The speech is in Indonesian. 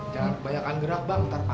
jangan kebanyakan gerak bang ntar pak